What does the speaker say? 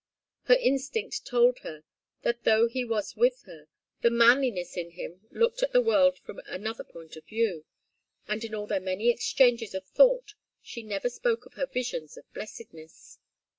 Her instinct told her that though he was with her, the manliness in him looked at the world from another point of view; and in all their many exchanges of thought she never spoke of her visions of blessedness.